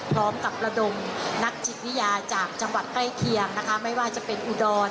พร้อมกับระดมนักจิตวิทยาจากจังหวัดใกล้เคียงนะคะไม่ว่าจะเป็นอุดร